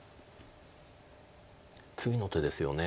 次の手ですよね。